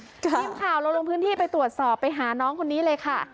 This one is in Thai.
ทีมข่าวเราลงพื้นที่ไปตรวจสอบไปหาน้องคนนี้เลยค่ะ